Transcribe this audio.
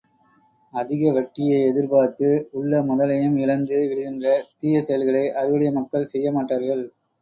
அதிக வட்டியை எதிர்பார்த்து, உள்ள முதலையும் இழந்து விடுகின்ற தீயசெயல்களை அறிவுடைய மக்கள் செய்ய மாட்டார்கள்.